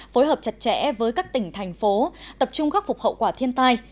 phối hợp chặt chẽ với các tỉnh thành phố tập trung khắc phục hậu quả thiên tai